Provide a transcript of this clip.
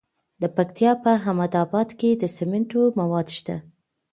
د پکتیا په احمد اباد کې د سمنټو مواد شته.